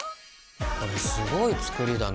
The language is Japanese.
これすごい作りだね。